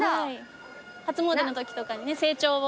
初詣のときとかにね成長を。